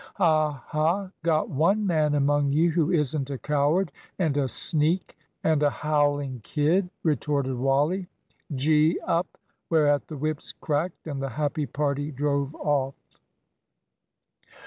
"Ha, ha! got one man among you who isn't a coward and a sneak, and and a howling kid!" retorted Wally. "Gee up!" Whereat the whips cracked and the happy party drove off.